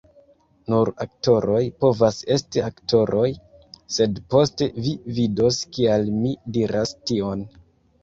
Nur aktoroj povas esti aktoroj. sed poste, vi vidos kial mi diras tion.